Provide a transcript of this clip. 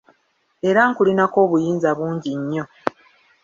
Era nkulinako obuyinza bungi nnyo.